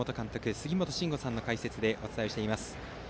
杉本真吾さんの解説でお伝えしています。